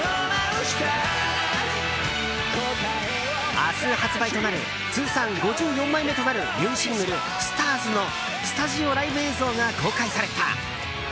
明日発売となる通算５４枚目となるニューシングル「ＳＴＡＲＳ」のスタジオライブ映像が公開された。